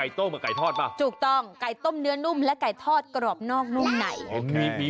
โต้กับไก่ทอดป่ะถูกต้องไก่ต้มเนื้อนุ่มและไก่ทอดกรอบนอกนุ่มไหนมี